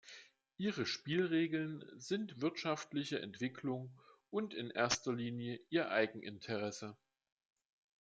Ihre Spielregeln sind wirtschaftliche Entwicklung und in erster Linie ihr Eigeninteresse.